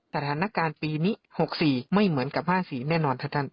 สถานการณ์ปีนี้๖๔ไม่เหมือนกับ๕๔แน่นอนครับท่าน